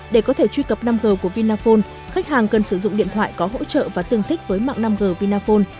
để có thể truy cập năm g của vinaphone khách hàng cần sử dụng điện thoại có hỗ trợ và tương thích với mạng năm g vinaphone